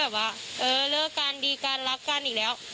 เห็นแบบเลิกกันได้รับกันอีกแล้ว